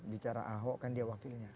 bicara ahok kan dia wakilnya